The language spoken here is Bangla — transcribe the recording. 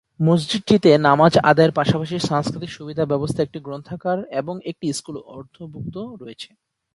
মসজিদটিতে নামাজ আদায়ের পাশাপাশি সাংস্কৃতিক সুবিধার ব্যবস্থা, একটি গ্রন্থাগার এবং একটি স্কুল অন্তর্ভুক্ত রয়েছে।